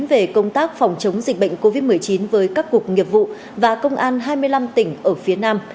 về công tác phòng chống dịch bệnh covid một mươi chín với các cục nghiệp vụ và công an hai mươi năm tỉnh ở phía nam